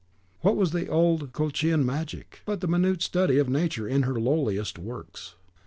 What was the old Colchian magic, but the minute study of Nature in her lowliest works?